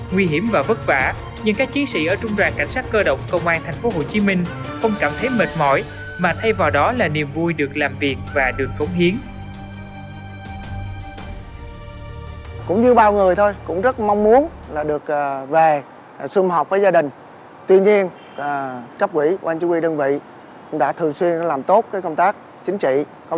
nguy hiểm và vất vả nhưng các chiến sĩ ở trung đoàn cảnh sát cơ động công an tp hcm không cảm thấy mệt mỏi mà thay vào đó là niềm vui được làm việc và được cống hiến